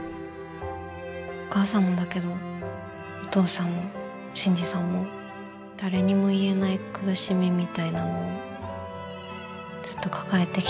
お母さんもだけどお父さんも信爾さんも誰にも言えない苦しみみたいなものずっと抱えてきたんだよね。